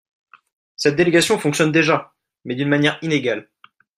Cette délégation fonctionne déjà, mais d’une manière inégale.